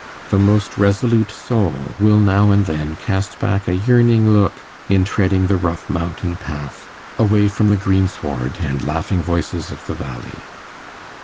The most resolute soul will now and then cast back a yearning look in treading the rough mountain path, away from the greensward and laughing voices of the valley.